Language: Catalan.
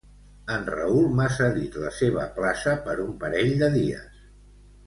En Raül m'ha cedit la seva plaça per un parell de dies